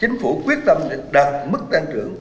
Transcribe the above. chính phủ quyết tâm đạt mức tăng trưởng